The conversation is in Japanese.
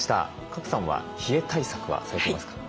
賀来さんは冷え対策はされていますか？